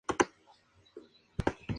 Horto Bot.